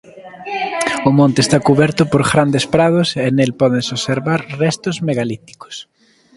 O monte está cuberto por grandes prados e nel pódense observar restos megalíticos.